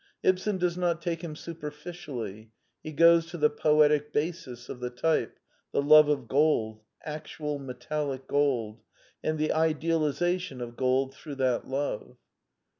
Ibsen does not take him superficially: he goes to the poetic basis of the type : the love of gold — actual metallic gold — and the idealization of gold through that love.